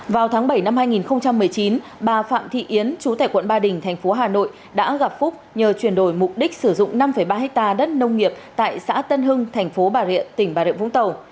vào tháng bảy năm hai nghìn một mươi chín bà phạm thị yến chú tại quận ba đình thành phố hà nội đã gặp phúc nhờ chuyển đổi mục đích sử dụng năm ba hectare đất nông nghiệp tại xã tân hưng thành phố bà rịa tỉnh bà rịa vũng tàu